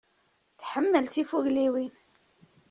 Tḥemmel tifugliwin.